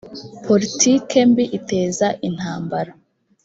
politike mbi iteza intambara